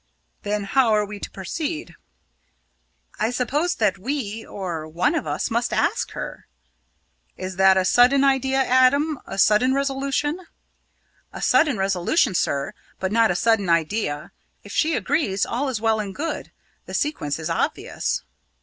"Then how are we to proceed?" "I suppose that we or one of us must ask her." "Is this a sudden idea, Adam, a sudden resolution?" "A sudden resolution, sir, but not a sudden idea. If she agrees, all is well and good. The sequence is obvious."